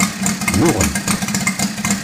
Nnuɣent.